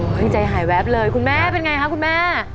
ใจหายแวบเลยคุณแม่เป็นไงคะคุณแม่